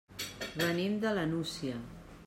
Venim de la Nucia.